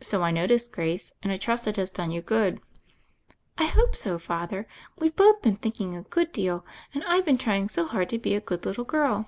^*So I noticed, Grace, and I trust it has done you good." "I hope so. Father. We've both been think ing a good deal; and I've been trying so hard to be a good little girl."